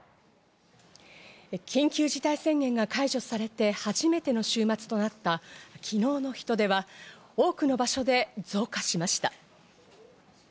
緊急事態宣言が解除されて初めての週末となった昨日の人出は多くの場所で増加しました。